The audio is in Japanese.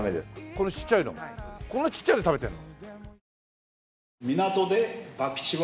このちっちゃいのこんなちっちゃいの食べてるの？